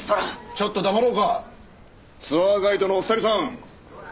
ちょっと黙ろうかツアーガイドのお二人さん。